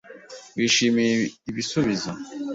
Wishimiye ibisubizo.